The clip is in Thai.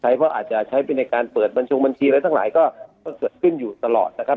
เพราะอาจจะใช้ไปในการเปิดบัญชงบัญชีอะไรทั้งหลายก็เกิดขึ้นอยู่ตลอดนะครับ